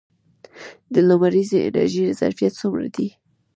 د لمریزې انرژۍ ظرفیت څومره دی؟